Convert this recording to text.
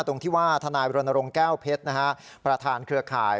ตรงที่ว่าทนายบรณรงค์แก้วเพชรประธานเครือข่าย